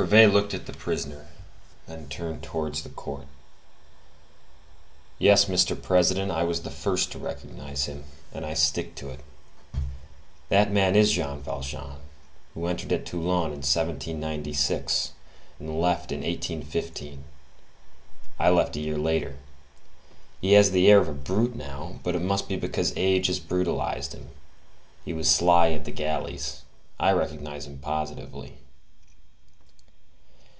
Brevet looked at the prisoner, then turned towards the court. "Yes, Mr. President, I was the first to recognize him, and I stick to it; that man is Jean Valjean, who entered at Toulon in 1796, and left in 1815. I left a year later. He has the air of a brute now; but it must be because age has brutalized him; he was sly at the galleys: I recognize him positively."